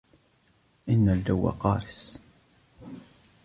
إن الجو قارس.